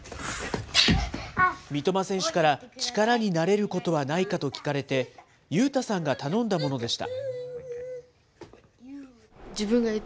三笘選手から力になれることはないかと聞かれて、勇太さんが頼んだものでした。